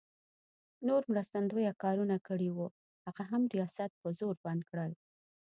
نور مرستندویه کارونه کړي وو، هغه هم ریاست په زور بند کړل.